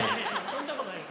そんなことないです！